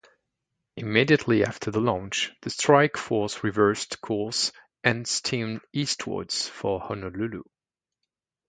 Immediately after the launch, the strike force reversed course and steamed eastwards for Honolulu.